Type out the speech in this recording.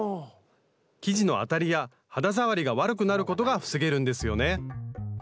生地のあたりや肌触りが悪くなることが防げるんですよね